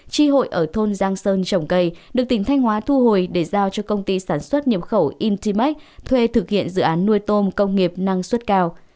tri hội ở thôn giang sơn trồng cây được tỉnh thanh hóa thu hồi để giao cho công ty sản xuất nhập khẩu intimax thuê thực hiện dự án nuôi tôm công nghiệp năng suất cao